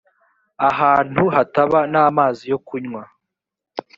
ahantu hataba n’amazi yo kunywa.